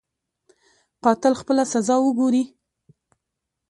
قاتل خپله سزا وګوري.